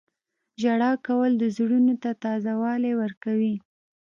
• ژړا کول د زړونو ته تازه والی ورکوي.